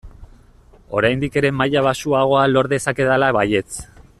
Oraindik ere maila baxuagoa lor dezakedala baietz!